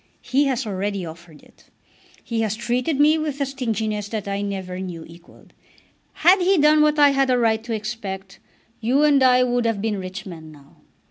He has already offered it. He has treated me with a stinginess that I never knew equalled. Had he done what I had a right to expect, you and I would have been rich men now.